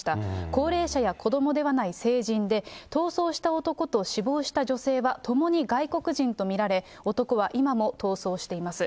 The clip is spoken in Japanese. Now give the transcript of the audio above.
高齢者や子どもではない成人で、逃走した男と死亡した女性はともに外国人と見られ、男は今も逃走しています。